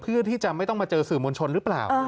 เพื่อที่จะไม่ต้องมาเจอสื่อมวลชนหรือเปล่า